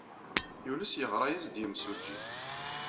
Yules yeɣra-as-d yemsujji.